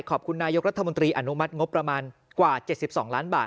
ขอบคุณนายกรัฐมนตรีอนุมัติงบประมาณกว่า๗๒ล้านบาท